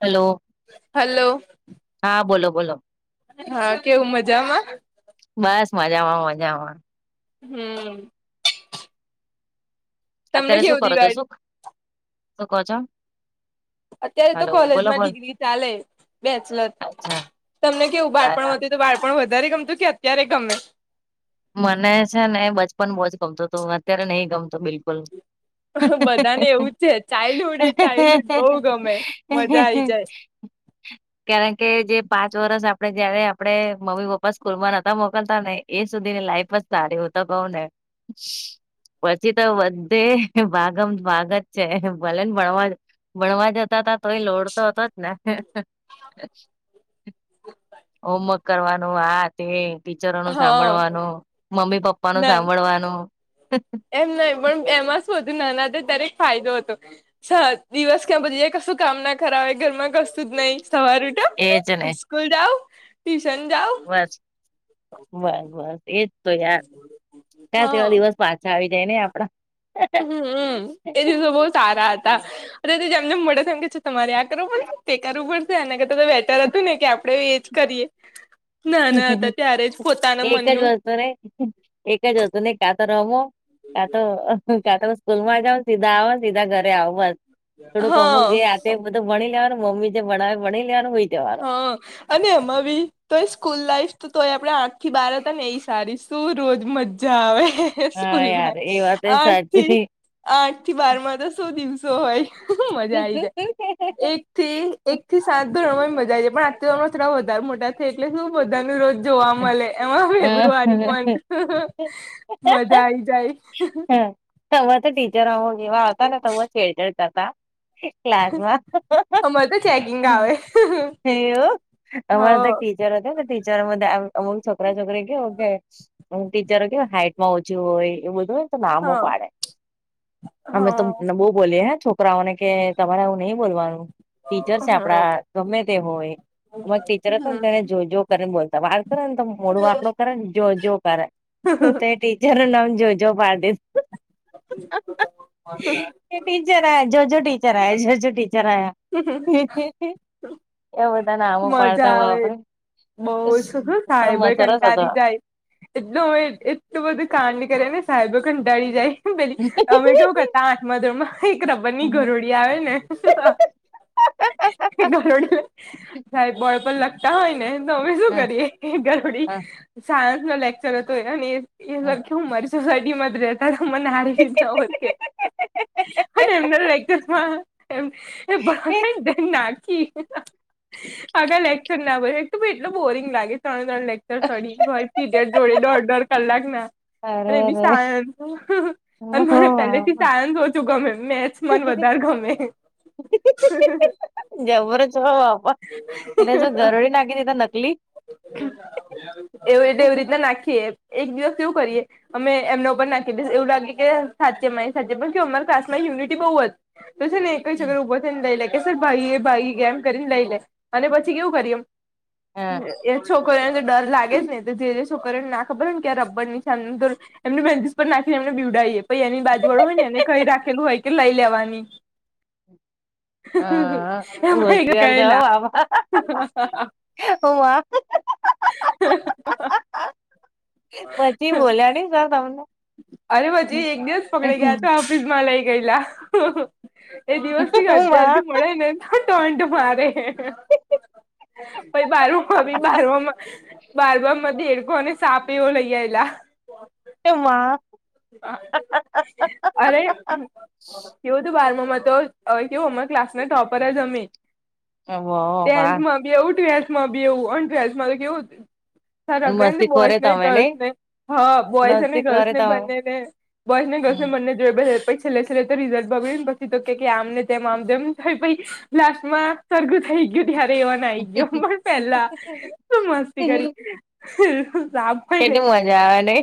Hello. Hello. હા બોલો બોલો. હા કેવું મજામાં? બસ મજામાં મજામાં. હમ તમને અત્યારે શું કેવું કરો છો દિવાળી શું શું કો છો? અત્યારે તો હલો બોલો કોલેજમાં બોલો ડિગ્રી ચાલે બેચલર અચ્છા તમને કેવું બાળપણ બરાબર વતું તો બાળપણ વધારે ગમતું કે અત્યારે ગમે? મને છે ને બચપન બો જ ગમતું હતું અત્યારે નહીં ગમતું બિલકુલ. બધાને એવું જ છે ચાઇલ્ડહુડ એ ચાઇલ્ડહુડ બહુ ગમે મજા આઈ જાય [unintelligible] કારણ કે જે પાંચ વર્ષ આપડે જયારે આપડે મમ્મી પપ્પા સ્કૂલ માં નતા મોકલતા ને એ સુધી ની લાઈફ જ સારી હું તો કઉ ને પછી તો બધે ભાગમ ભાગ જ છે ભલે ને ભણવા ભણવા જતા હતા તોએ લોડ તો હતો જ ને. હોમવર્ક કરવાનું આ એ ટીચરો નું હા સાંભળવાનું મમ્મી પપ્પા નું ના સાંભળવાનું એમ નહી પણ એમાં શું હતું નાના હતા ત્યારે ફાયદો હતો. છ દિવસ ક્યાં પતી જાય કશું કામ ના કરાવે ઘરમાં કશું જ નઈ. સવારે ઉઠો એજ ને સ્કૂલ જાવ ટ્યુશન જાવ બસ બસ બસ એજ તો યાર કાશ હા એવા દિવસ પાછા આવી જાય ને આપડા. હમમ એ દિવસો બહુ સારા હતા અને તે જેમ જેમ મળે તે એમ કે છે તમારે આ કરવા પડશે તે કરવુ પડશે અને કરતા તો બેટર હતું ને કે આપડે એજ કરીએ. ના ના હતા ત્યારે જ પોતાના એક જ મનનું વસ્તુ ને એક જ હતું ને કાતો રમો કા તો કા તો સ્કૂલ માં જવો ને સીધા આવો સીધા ઘરે આવો બસ થોડુંક અમુક હા જે આ તે બધું ભણી લેવાનું મમ્મી જે ભણાવે ભણી લેવાનું હોય. હ અને એમાં બી તોય સ્કૂલ લાઈફ તો તોય આપડે આઠ થી બાર હતા ને એ સારી શું રોજ મજા આવે હા યાર સ્કૂલમાં એ વાત એ આઠ થી સાચી આઠ થી બાર માં તો શું દિવસો હોય મજા આવી જાય એક થી એક થી સાત ધોરણ માં મજા આવી જાય પણ આઠથી ધોરણ માં થોડા વધારે મોટા થાય એટલે શું બધાનું રોજ જોવા મલે એમાં ફેબ્રુઆરી હ મંથ હમ મજા આઈ જાય તો હો તો ટીચર જેવા હતા તેવા છેેઠળ કરતા ક્લાસમાં અમારે તો ચેકિંગ હા આવે હ હ એવું [unintelligible] - જરા છે ને ટીચર બધા આવ અમુક છોકરા છોકરી કેવો કે અમુક ટીચરો કેવા હાઈટમાં ઓછી હોય એવ બધું હોય હ નામો પાડે અમે તો નબો બોલીયે હે છોકરાઓને કે તમારે આવું નઈ બોલવાનું. ટીચર સે હ આપડા ગમે તેવો હોય અમારા ટીચર હતા ને તેને જો જો કરીને બોલતા વાળ કરે ને તો મોડું વાકડું કરે જો જો કરે તેથી જેનું નામ જોજો પાડ ડી એ ટીચર આયા જોજો ટીચર આયા જોજો ટીચર આયા હમ હિ હિ હિ એવા બધા નામો પાડતા બાપરે બોસ હો પણ થાય મ બો સરસ હતો. કંટારી જા એટલું એટલું બધું કાંડ કરે ને સાહેબો કંટાળી જાય. પેલી અમે કેવું કરતા આઠમા ધોરણમાં એક રબરની ગરોળી આવે ને એ ગરોળી સાહેબ બોર્ડ પર લાખતા હોય ને તો અમે શું હા કરીએ એ ગરોળી હા સાયન્સ નો લેક્ચર હતો એ એ હા. લખ્યું મ અઢી માજ રેતા ને મને હારી રીતે ઓળખે અને એમના લેક્ચરમાં એ ભણાવે ને નાખી આખા લેક્ચર ના બેહે તો બી એટલુ બોરિંગ લાગે ત્રણ ત્રણ લેક સડી ભાય પીરિયડ જોડે દોઢ દોઢ કલાક ના અને એ બી અરેરે સાયન્સ અને મને પહેલેથી સાયન્સ ઓછું ગમે મેથ્સ મને વધારે ગમે. [inaudible] જબર જ બાપા એને જો ઘરડી નાખી છે તો નકલી એવું એ એવી રીતના નાખીએ એક દિવસ કેવું કરીએ અમે એમના ઉપર નાખી દી એવું લાગે કે સાચ મા સાચે પણ અમારા ખાસમાં યુનિટી બહુ તો છે ને એક છોકરો ઉભો થઈને લઈ લે કે સર ભાગી એ ભાગી ગયા એમ કરીને લઈ લે અને પછી કેવું કરી એમ હા. એ છોક છોકરોને ડર લાગે જ ને તો જેજે છોકરીને ના ખબર હો ન [unintelligible] એમને બેન્ચીસ પર નાખીને એમને બીવડાાવીએ પહી એની બાજુવાળો હોય ને એને કહી રાખેલું હોય કે લઈ લેવાની. હા હું હોવ એમાં ઘેર જાઓ ગયેલા હાવ હો વા [unintelligible] પછી બોલ્યા ની સર તમને અરે પછી એક દિવસ પકડી ગયા હતા ઓફિસમાં લઈ ગયલા. એ દિવસ થી ઓ હજાર માં ભી મળે ને તો ટોટ મારે. પ બારમુ મા ભી બારમામાં બારમા માં ભી દેડકો અને સાપ એવ લૈયા આયેલા. એમાં અરે કેવું હતું બારમાં તો કેવું અમાર ક્લાસ ના ટોપર જ અમે. વાહ વાહ ટેન્થમાં બી એવું ટ્વેલ્થમાં બી એવું અને ટ્વેલ્થમાં તો કેવું હતું અને સરકળાય ને મસ્તી બોયસ ખોરે ને તમે ગર્લ્સ નઈ ને હા બોયઝ અને મસ્તી ગર્લ્સ ખોરે ને તમે બંનેને બોયસ ને ગર્લ્સને બંને જો પહી છેલ્લે છેલ્લે તો રિઝલ્ટ બગડ્યું ને પછી તો કેકે આમ ને તેમ આમ જેમ થાય પહી લાસ્ટમાં સરગું થઈ ગયું ત્યારે એવા નાઈ ગયો પણ પેલા શું મસ્તી કરી. [unintelligible] કેટલી મજા આવે ને.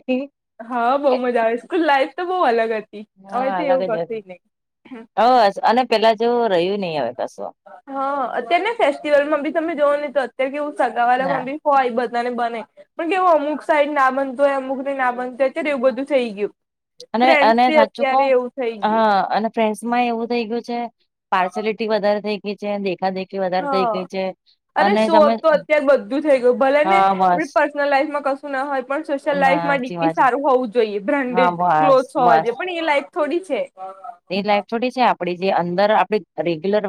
હા બહુ મજા આવે સ્કૂલ લાઈફ તો બહુ અલગ હતી હવે હા તો અલગ એવું જ કશે હતી નહી. હ અને પેલા જેવુ રહ્યું નહી હવે કશો. હા અત્યારે ને ફેસ્ટિવલ માં બી તમે જોવો ને તો અત્યારે કેવું સગાવાલા ના માં બી હોય એ બધાને બને પણ કેવું અમુક સાઈડ ના બનતુ હોય અમુક ને ના બનતો હોય અત્યારે એવું બધું થઈ ગયું. અને ફ્રેન્ડસ અને બી સાચું કહું અત્યારે એવું થઈ ગયું હા અને ફ્રેન્ડસ માં એવું થઈ ગયું છે પાર્સાલિટી વધારે થઈ ગઈ છે દેખા દેખા હા અરે સો અપ તો અત્યારે બધું થઈ ગયું ભલે ને હા આપડી બસ પર્સનલ લાઈફમાં કશું ના હોય પણ સોશિયલ ના લાઈફમાં સાચી ડીપી વાત છે સારું હોવું જોઈએ હા બ્રાન્ડેડ બસ ક્લોથ હોવા બસ જોઈએ પણ એ લાઈફ થોડી છે. એ લાઈફ થોડી છે આપડી જે અંદર આપ રેગ્યુલર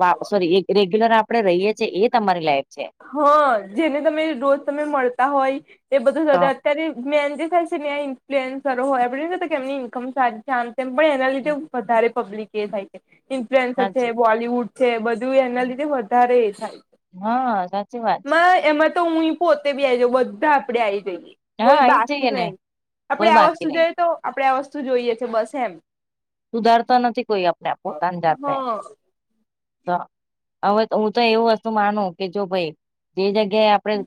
યુ સોરી રેગ્યુલર આ પડે રહીએ છીએ એ તમારી લાઈફ છે. હા જેને તમે રોજ તમે મળતા હોય. એ બધું તો અત્યારે મેન જે થાય છે ને ઇન્ફ્લુએન્સર હોય એ કે એમની ઇન્કમ સારી છે આમ તેમ પણ એના લીધે વધારે પબ્લિક એ થાય છે ઇન્ફ્લુએન્સ છે સાચી બોલીવુડ છે બધું એના લીધે વધારે એ થાય હા સા એમાં તો હું પોતે બી આવી જાઉં બધા આપડે આવી જઈએ છે હા કોઈ આઈ જ બાકી જઈએ ને નહી કોઈ આપણેે આ બાકી વસ્તુ નહી જોઈએ તો આપડે આ વસ્તુ જોઈએ છે બસ એમ સુધારતા નથી કોઈ આપણે પોતાની જાતને હા તો હવે હું તો એવું વસ્તુ માનું કે જો ભાઈ જે જગ્યાએ આપડે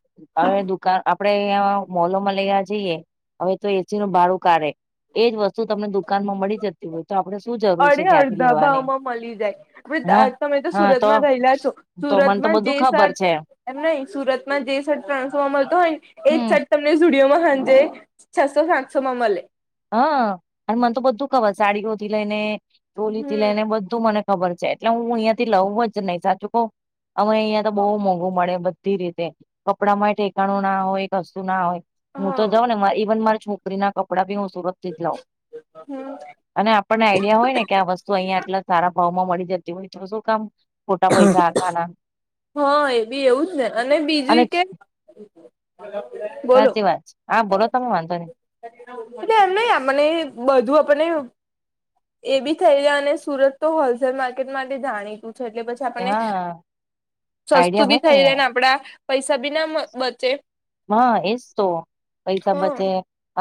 હવે દુકાન આપણેે મોલોમાં લેયા જઈએ હવે તો એસી નું ભાડું કાઢે એજ વસ્તુ તમને દુકાનમાં મળી જતી હોય તો આપડે શું જરૂર છે અડે ત્યાંથી અડધા લેવાની ભાવમાં મળી જાય હા તમે તો હા સુરતમાં રહેલા છો તો મને તો સુરતમાં બધું જે ખબર શર્ટ છે એમ નઈ સુરતમાં જે શર્ટ ત્રાન્સો મળતો હોય ને એ જ હમ શર્ટ તમને જુડિયોમાં સાંજે છસો સાતસો માં મલે. હા અને મને તો બધું ખબર સાડીઓ થી લઈને ટોલી થી લઈને હમ બ ઘુ મને ખબર છે એટલે હું અહિયાં થી લઉું જ નહી સાચું કહું અમને અહિયાં તો બહુ મોંઘું મળે બ ધી રીતે કપડામાં ઠેકાણું ના હોય કસુ ના હોય હું તો હા જાઉં ને મા ઈવન મારે છોક છકરી ના કપડા ભી હું સુરત થી જ લઉં હમ અને આપણને આઈડિયા હોય ને કે આ વસ્તુ અહિયાયા આટલા સારા ભાવમાં મળી જતી હોય જોશું કામ છોટા પૈસા હ ભના હા એ બી એવું જ ને અને બીજું કે સાચી વાત હા બોલો તમે વાંધો નહી એ એમ નહ મને બધું આપણને એ બી થઈ જ અને સુરત તો હોલસેલ માર્કેટ માટે જાણીતું છે એટલે પછી આપણને હા હ સસ્તું બી થઈ જાય ને આપડા પૈસા બી ના બચે હા એજ તો પૈસા હ બચે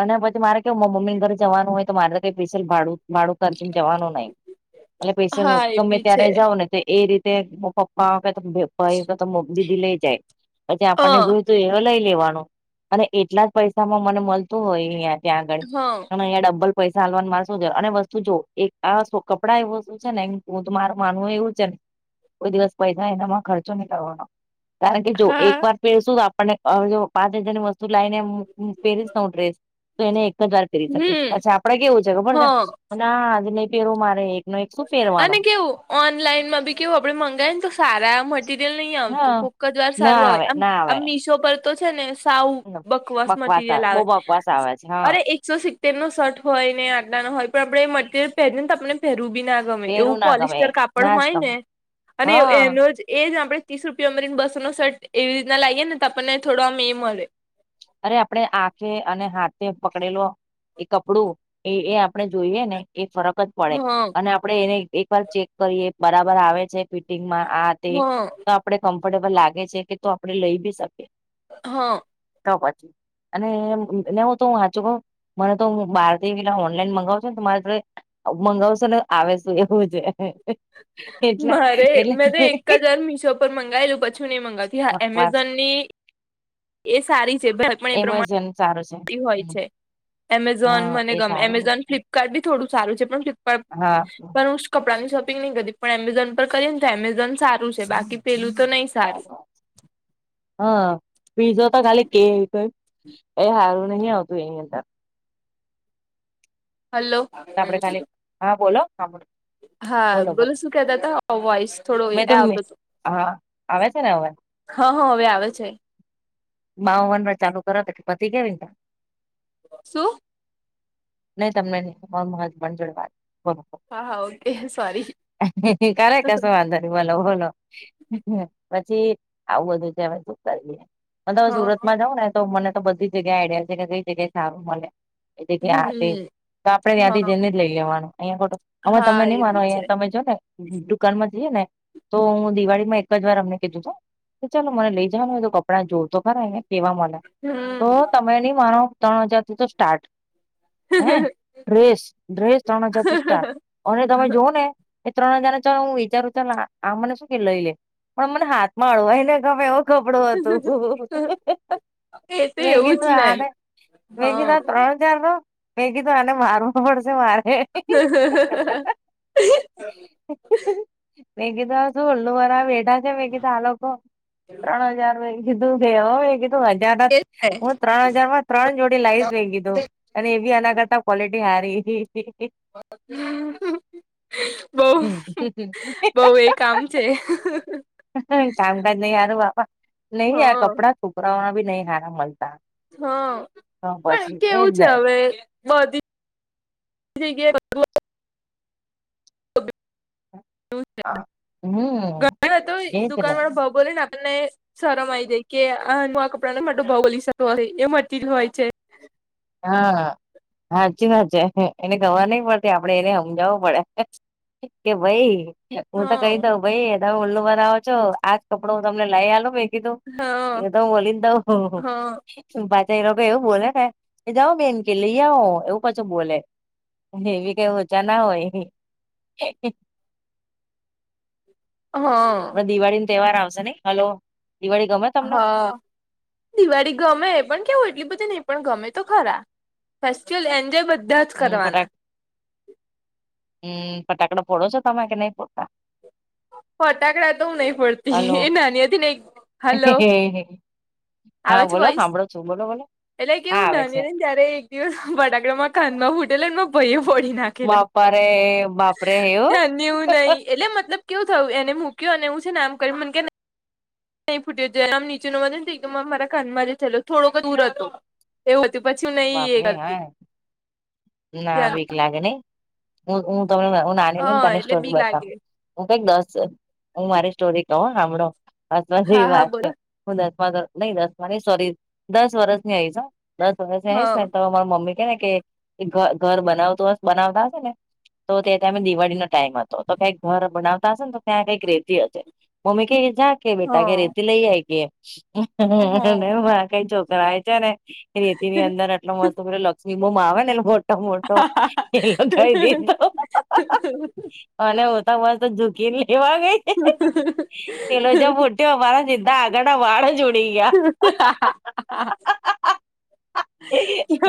અને પછી મારે કેવું મમ્મ ઘરે જવાનું હોય તો મારે તો કઈ સ્પેશિયલ ભાડું ભાડું ને જવાનું નહી એટલે પેશ હા એ તમે બી છે ત્યારે જાાવ ને એ રીતે પપ્પા કે ભાઈ તો દીદી લઈ જાય પછી અ આપણને હ જોય એવ લઈ લેવાનું અને એટલા જ પૈસામાં મને મળતું હોય અહં ત્યાં આગળ હા પણ અહીંયા ડબ્બલ પૈસા હાલવાનું મા શું અને વસ્તુ જો એક આ કપડાં એું શું છે નેધ મારું માનવું એવું છે ને કોઈ દિવસ પૈસા એનામાં ખર્ચો નહી કરવાનો કારણ કે જો એક હા વાર ફેર શું આપ હવે જો પાંચ હજારની વસ્તુ લાવ ને પહેરીશ ન હ ડ્રેસ તો એને એક જ વાર પહેરી શકેશ હમ પછી આપડે કેવું છે ખબર હ છે અને આ આજ નહી પહેરવું મારે એકનો એક શું પહેરવાનો અને કેવું ઓનલાઈન માં બી કેવું આપડે મંગાય ને તો સારા મ મરિયલ નહી આવતું હા કોક જ વાર ના સારું આવે આમ ના આવે આમ મીશો પર તો છે ને સાવ બકવાસ મટીરિયલ બહુ આવે બકવાસ આવે છે હા અરે એક શ સી્તેર નો શર્ હોય ને આટલા ન હોય પણ આપણે એ મટરિયલ પહેરીને આપણે પહેરવું ના ગમે એવું પહેરું ના ગમે પોલિસ્ટર કાપડ ના જ હોય ને ગમે અને હા એનો જ એ જ આપડે ત્રીસ રૂપિયા અમારીને બસો નો સર્ટ એવી રીતના લાગીે ને તો આપણને થોડોમ એ મળે અરે આપણેે આંખે અને હાથે પકડેલો એ કપડું એ એ આપણે જોઈએ ને એ ફરક જ પડે હા અને આપડે એને એકવાર ચેક કરીએ બરાબર આવે છે ફિટિંગમાં આા તે હા તો આપડે કમ્ફર્ટેબલ લાગે છે કે તો આપડણે લઈ ભી શકીએ હા તો પછી અને ને હું તો વાંચુ કઉ મને તો હું બહાર થી પેલા ઓનલાઈન મગાવું છો ને મારે મંગાવશો ને આવેશું એવું છે. એટલે મારે એટલે મેં તો એક હજાર મીશો પર મંગાવેલું પછી નહી મંગાવતી હા બકવાસ એમેઝોન ની એ સારી છે ભ એમેઝન સારું છે. હોય હમ, છે એમેઝોન હા મને એ ગમે સારું એમેઝોન છે. ફ્લિપકાર્ટ બી થોડું સારું છે પણ ફ્લપ હા પણષ કપડાંની શોપિંગ નહીં કરી પણ એમેઝોન પર કરીએ ને તો એમેઝોન સારું છે બાકી પેલું તો નહી સારું હા પીઝો તો ખાલી કે એ સારું નહ આવતું એની અંદર હલો તો આપડે ખાલી હા બોલો સાંભ હા બોલો શું કેતા હતા વોઈસ થોડો એ મેં તો આવતો હતો. હા આવે છે ને હવે હા હ હવે આવે છે. માવ વનર ચાલુ કરો તો કે પછી કેવીને શું [unintelligible] નહી તમને નહી મહત્ણ જોડ હા હા ઓકે સોરી કરે કસ વાદ [unintelligible] બોલો બોલો પછી આવું બધું છે અવે તો. કરી લીએ હું હા સુરતમાં જાઉં ને તો મને તો બધી જગ્યાએ આઈડિયા છે કે કઈ જગ્યાએ સારું મલે. એટલે ત્યાં [unintelligible] હમ તો આપડે ત્યાંથી હા જઈને જ લઈ લેવાનું અહિયાં ખોટું અમે તમે હા નઈ એ માનો બી છે અયા તમે જોને દુકાનમાં જઈએ ને તો હું દિવાળીમાં એક જ વાર અમને કીધું તો કે ચાલો મને લઈ જવાનું હોય તો કપડાં જોઉં તો ખરા અહીંયા કેવા મ તો હમ તમે નઈ માનો ત્રણ હજારથી તો સ્ટાર્ટ હમ હે હ [unintelligible] ડ્રેસ ડ્રેસ ત્રણ હજારથી સ્ટાર્ટ. અને તમે જોવોને એ ત્રણ હજારને ચાલ હું વિચારું ચાલ આ મને શું કે લઈ લે. પણ મને હાથમાં અળવાઈ ના ગમે એવું કપડું હતું. એ તો મેં એવું કીધું તું જ ને આને મેં હા કીધું ત્રણ હજારનું મેં કીધું આને મારવું પડશે મારે. મેં કીધું આ શું ઉલ્લું બનાવા બેઠાં છે મેં કીધું આ લોકો ત્રણ હજાર મેં કીધું કે હ કી હજારના એ છે હું ત્રણ હજારમાં ત્રણ જોડી લાઈશ મેં કીધું અને એ બી આના કરતાં કવોલિટી હારી. હમ બઉ હમ્મ. બઉ એ કામ છે. કામકાજ નહી હારું બાપા નહીં આ હા કપડાં છોકરાઓ ના બી નહીં હારા મલતા. હા પણ કેવું છે ને હવે બધી જ જગ્યાએ બધું હમ ઘણાં તો એજ ને દુકાનવાળો ભાવ બોલે ને આ ણને શરમ આઈ જાય કે આ હું આ કપડાંનો આ ભાવ બોલી શકતો હોય એ મટીરિયલ હોય છે. હા હાચી વાત છે એને ખબર નઈ પડતી આપડે એને હમજાવું પડે. કે ભઈ હું તો હા કહી દઉ ભઈ આ તમ ઉલ્લુ બનાવો છો આજ કપડો હું તમને લઈ આલુ મેં કીધું હા એ તો હું બોલી જ દઉ હા હું પાછા એ લોકો એવું બોલેને એ જાઓ બેન કે લઈ આવો એવું પાછું બોલે. એવી કઈ ઓછા ના હોય. હ. પણ દિવાળી ન તહેવાર આવશે નહીં હલો દિવાળી ગમ છ? હ. દિવાળી ગમે પણ કેવું એટલી બધી નહીં પણ ગમે તો ખરા ફેસ્ટિવલ એન્જોય બધાં જ હમ્મ, કરવાના ફટાક હમ્મ ફટાકડા ફોડો છો તમે કે નહીં ફોડતા? ફટાકડા તો હુ નહીં ફોડતી એ નાની હતી ને એક હલો. એ હે. આવે છે વોઈસ? બોલો એટલે હા કેવું આવે નાની છે હતી ને ત્યારે એક દિવસ ફટાકડામાં કાનમાં ફૂટેલો ન માર ભઈએ ફોડી નાખ ખેલો બાપા રે બાપરે એવું ત્યારની હું નહીં એટલે મતલબ કેવું થયું એને મૂક્યું અને હું છે આમ કરીન મને કે નઈ ફૂટ્યો જ્યાર આમ નીચેમાં જોયું ને તો એકદમ મારા કાનમાં ચયલો થોડોક દૂર હતો. એવું હતું પછી હું નહીં એ બાપરે હા કરતી ના જ બીક લાગે નહીં હું હું તમને હું નાની હતીને તને એટલે સ્ટોરી બીક લાગે બતાવું. હું કઈક દસ હું મારી સ્ટોરી કવ હ હાભળો હસવા હા જેવી હા વાત બોલ છે. હું દસમા ધોર નઈ દસ નઈ સોરી દસ વર્ષની હોવીશ હું દસ વર્ષની હોઈશ હા ને તો માર મમ્મી કે ને કે ઘ ઘર બનાવતો સ બનાવતાં હશે ને. તો તે ટાઈમે દિવાળીનો ટાઈમ હતો તો કંઈક ઘર બનાવતા હશે ને તો ત્યાં કંઈક રેતી હશે. મમ્મી કેય જા. કે બેટા કે હા રેતી લઈ આય કે હા મારા કઈ છોકરાઓએ છે ને રે ની અંદર આટલો મસ્ત પેલો લક્ષ્મી બમ આવે ને એ. ટમોટો એ કાય દ તો અને હ તો મસ્ તો ઝુકીને લેવા ગઈ છે. તેલોજ મોટયો વાળ જિદા આગના વાળ ઉડી ગયા. હા હા. એે